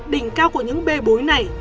đỉnh cao của những bê bối này